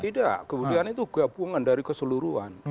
tidak kemudian itu gabungan dari keseluruhan